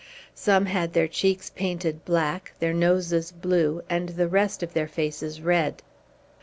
Some had their cheeks painted black, their noses blue, and the rest of their faces red.